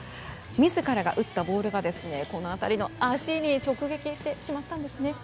自らが打ったボールが足に直撃してしまったんですね。